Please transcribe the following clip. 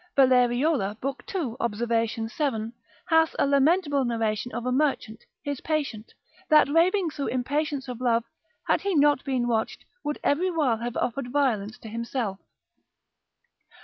Valleriola, lib. 2. observ. 7, hath a lamentable narration of a merchant, his patient, that raving through impatience of love, had he not been watched, would every while have offered violence to himself.